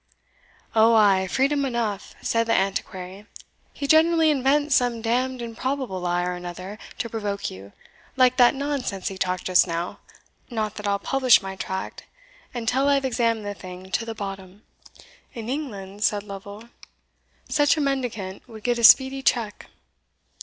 "O ay, freedom enough," said the Antiquary; "he generally invents some damned improbable lie or another to provoke you, like that nonsense he talked just now not that I'll publish my tract till I have examined the thing to the bottom." "In England," said Lovel, "such a mendicant would get a speedy check."